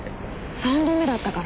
三度目だったから。